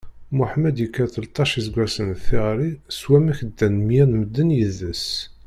Muḥemmed yekka tleṭṭac iseggasen d tiɣri s wamek ddan mya n medden yid-s.